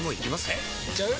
えいっちゃう？